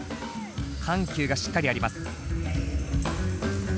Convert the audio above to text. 緩急がしっかりあります。